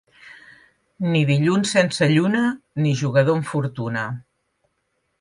Ni dilluns sense lluna, ni jugador amb fortuna.